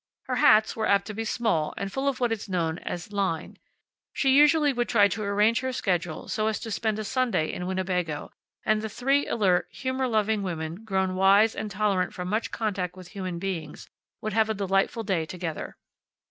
Her hats were apt to be small and full of what is known as "line." She usually would try to arrange her schedule so as to spend a Sunday in Winnebago, and the three alert, humor loving women, grown wise and tolerant from much contact with human beings, would have a delightful day together.